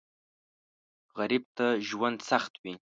غریب ته ژوند سخت وي